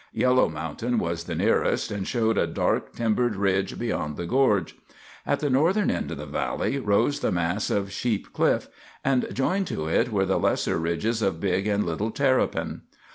Yellow Mountain was the nearest, and showed a dark, timbered ridge beyond the gorge. At the northern end of the valley rose the mass of Sheep Cliff, and joined to it were the lesser ridges of Big and Little Terrapin.